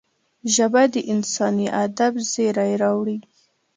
ژبه د انساني ادب زېری راوړي